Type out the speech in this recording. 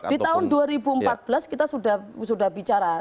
di tahun dua ribu empat belas kita sudah bicara